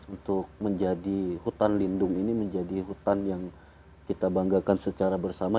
untuk menjadi hutan lindung ini menjadi hutan yang kita banggakan secara bersama